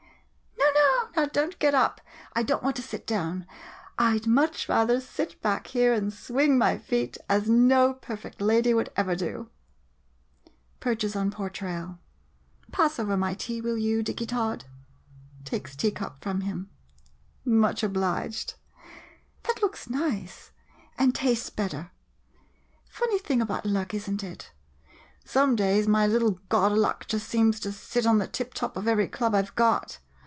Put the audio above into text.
] No, no, now don't get up, I don't want to sit down — I 'd much rather sit back here and swing my feet, as no perfect lady would ever do! [Perches on porch rail.] Pass over my tea, will you, Dicky Tod ? [Takes tea cup from him.] Much obliged. That looks nice — and tastes better. Funny thing about luck, is n't it? Some days, my little God o' Luck just seems to sit on the tip top of every club I 've got.